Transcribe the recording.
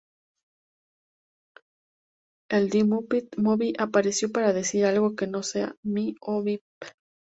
En The Muppet Movie apareció para decir algo que no sea "mee" o "bip".